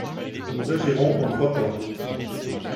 Nous agirons en trois temps.